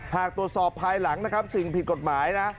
หากตรวจสอบภายหลังนะครับสิ่งผิดกฎหมายนะ